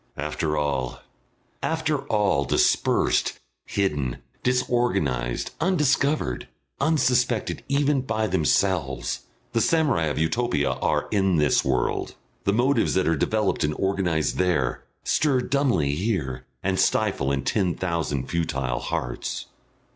After all, after all, dispersed, hidden, disorganised, undiscovered, unsuspected even by themselves, the samurai of Utopia are in this world, the motives that are developed and organised there stir dumbly here and stifle in ten thousand futile hearts....